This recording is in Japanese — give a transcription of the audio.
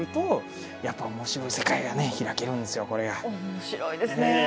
面白いですね。